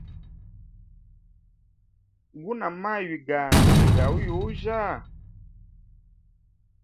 Guna maywi gami gauyujya?